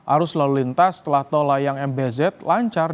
arus lalu lintas setelah tolayang mbz lancar